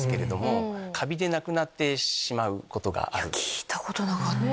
聞いたことなかった。